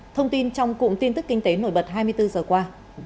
thông tin trong cụm tin tức kinh tế nổi bật hai mươi bốn giờ qua